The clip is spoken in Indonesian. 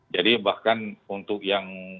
jadi bahkan untuk yang